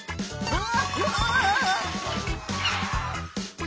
ああ。